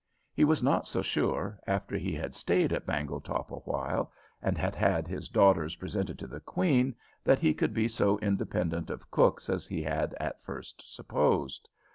He was not so sure, after he had stayed at Bangletop awhile, and had had his daughters presented to the queen, that he could be so independent of cooks as he had at first supposed.